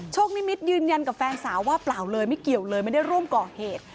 นิมิตรยืนยันกับแฟนสาวว่าเปล่าเลยไม่เกี่ยวเลยไม่ได้ร่วมก่อเหตุ